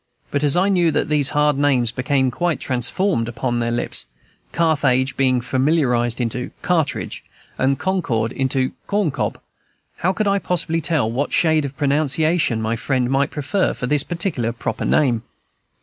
But as I knew that these hard names became quite transformed upon their lips, "Carthage" being familiarized into Cartridge, and "Concord" into Corn cob, how could I possibly tell what shade of pronunciation my friend might prefer for this particular proper name?